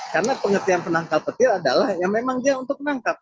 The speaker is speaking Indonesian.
karena pengertian penangkal petir adalah yang memang dia untuk menangkap